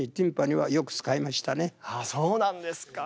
ああそうなんですか。